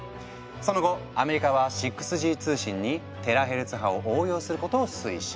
その後アメリカは６Ｇ通信にテラヘルツ波を応用することを推進。